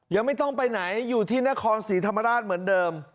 ยังไม่ต้องไปไหนอยู่ที่นครศรีธรรมราชเหมือนเดิม